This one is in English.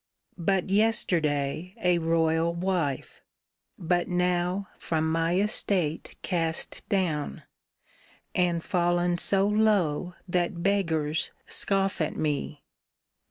But yesterday a royal wife ; but now From my estate cast down, and fallen so low That beggars scoff at me